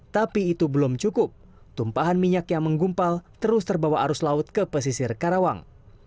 tapi itu belum cukup tumpahan minyak yang menggumpal terus terbawa arus laut ke pesisir karawang